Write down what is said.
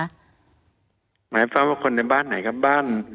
หมายความว่าคนในบ้านไหนครับบ้าน